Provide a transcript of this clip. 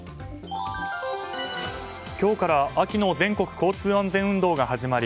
今日から秋の全国交通安全運動が始まり